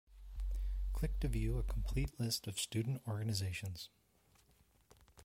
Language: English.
Click to view a complete list of student organizations.